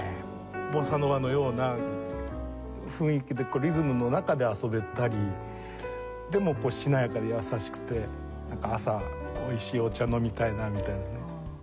ボサノバのような雰囲気でリズムの中で遊べたりでもこうしなやかで優しくて朝美味しいお茶飲みたいなみたいなね。